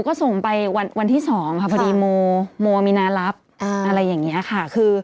ก็ส่งไปวันที่๒ค่ะพอดีโมโมมีนารับอะไรอย่างนี้ค่ะ